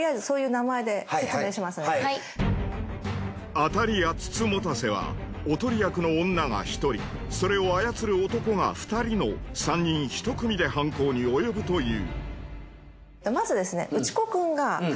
当たり屋美人局はおとり役の女が１人それを操る男が２人の３人１組で犯行に及ぶという。